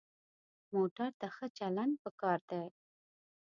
موټر ته ښه چلند پکار دی.